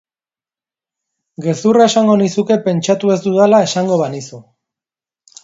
Gezurra esango nizuke pentsatu ez dudala esango banizu.